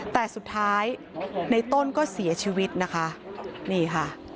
แต่สุดท้ายในต้นก็เสียชีวิตนะคะนี่ค่ะ